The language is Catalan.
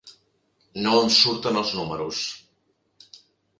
No em surten els números.